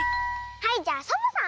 はいじゃあサボさん！